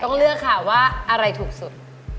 เลือกค่ะว่าอะไรถูกสุด